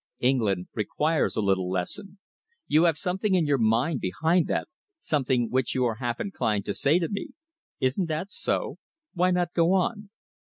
"England requires a little lesson. You have something in your mind behind that, something which you are half inclined to say to me. Isn't that so? Why not go on?"